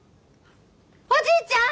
おじいちゃん！